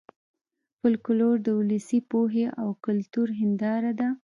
فولکلور د ولسي پوهې او کلتور هېنداره ده